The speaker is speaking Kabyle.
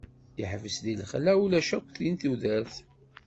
Yeḥbes deg laxla, ulac akk din tudert.